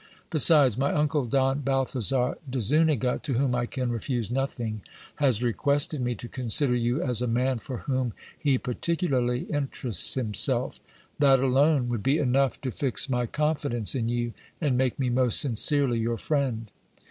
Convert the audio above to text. Besides, my uncle, Don Balthasar de Zuniga, to whom I can refuse nothing, has requested me to consider you as a man for whom he particularly interests himself : that alone would be enough to fix my confidence in you, and make me most sincerely your friend.